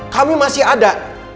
kami masih ada